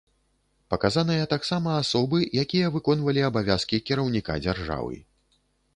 Паказаныя таксама асобы, якія выконвалі абавязкі кіраўніка дзяржавы.